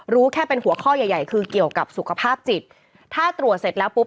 รู้แค่เป็นหัวข้อใหญ่ใหญ่คือเกี่ยวกับสุขภาพจิตถ้าตรวจเสร็จแล้วปุ๊บ